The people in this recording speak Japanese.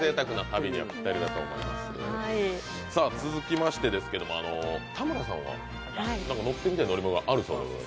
続きまして、田村さんは乗ってみたい乗り物があるそうです。